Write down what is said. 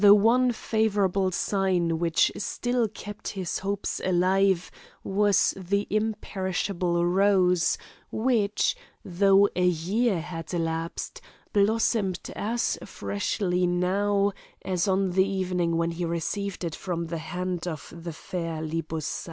The one favourable sign which still kept his hopes alive was the imperishable rose, which, though a year had elapsed, blossomed as freshly now as on the evening when he received it from the hand of the fair Libussa.